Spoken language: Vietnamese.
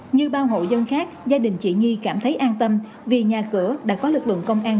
như bao hộ dân khác gia đình chị nhi cảm thấy an tâm vì nhà cửa đã có lực lượng công an